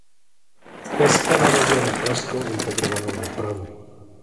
Stezka navazuje na pražskou integrovanou dopravu.